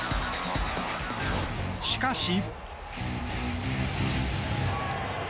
しかし。